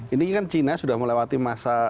ini kan cina sudah melewati masa